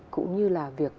cũng như là việc